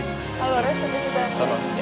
oh lurus itu sudah